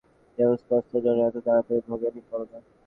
James কস্তার জন্য এতো তাড়াতাড়ি ভেংগে পরোনা।